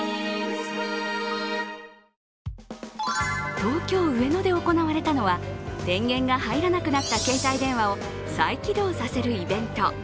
東京・上野で行われたのは電源が入らなくなった携帯電話を再起動させるイベント